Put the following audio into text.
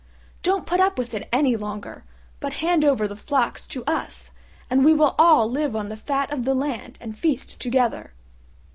Don't put up with it any longer, but hand over the flocks to us, and we will all live on the fat of the land and feast together."